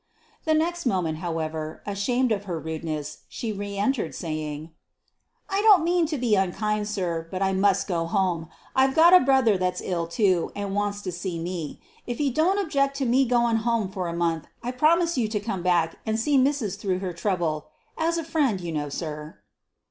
The next moment, however, ashamed of her rudeness, she re entered, saying, "I don't want to be unkind, sir, but I must go home. I've got a brother that's ill, too, and wants to see me. If you don't object to me goin' home for a month, I promise you to come back and see mis'ess through her trouble as a friend, you know, sir."